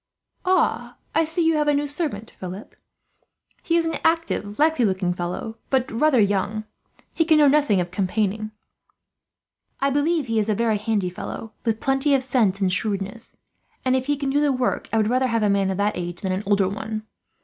"I see you have a new servant, Philip. He is an active, likely looking lad, but rather young. He can know nothing of campaigning." "I believe he is a very handy fellow, with plenty of sense and shrewdness; and if he can do the work, I would rather have a man of that age than an older one.